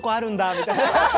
みたいな。